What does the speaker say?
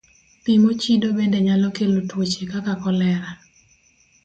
Pi mochido bende nyalo kelo tuoche kaka kolera.